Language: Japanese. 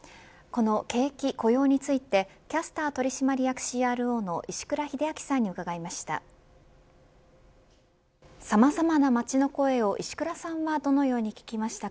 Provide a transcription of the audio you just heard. この景気、雇用についてキャスター取締役ＣＲＯの石倉秀明さんに伺いました。